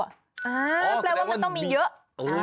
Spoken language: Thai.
แปลว่ามันต้องมีเยอะ